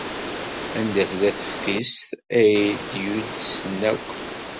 Anda tella teftist ay d-yudsen akk?